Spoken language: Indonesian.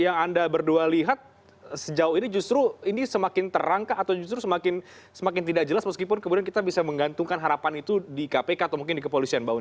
yang anda berdua lihat sejauh ini justru ini semakin terangkah atau justru semakin tidak jelas meskipun kemudian kita bisa menggantungkan harapan itu di kpk atau mungkin di kepolisian mbak uni